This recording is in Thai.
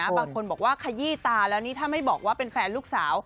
บางคนบอกว่าขยี้ตาแล้วนี่ถ้าไม่บอกว่าเป็นแฟนลูกสาว